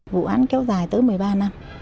vụ án kéo dài tới một mươi ba năm